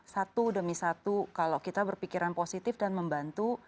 satu demi satu kalau kita berpikiran positif dan membantu